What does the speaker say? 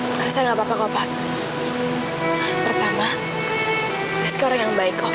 era lanjut sekarang pun akan otak dijuangkan